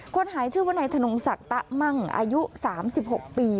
คนหายชื่อว่านายธนงศักดิ์ตะมั่งอายุ๓๖ปี